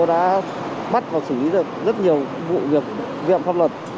đã bắt và xử lý được rất nhiều vụ việc viện pháp luật